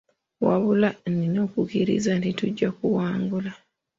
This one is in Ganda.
Wabula, nnina okukkiriza nti tujja kuwangula.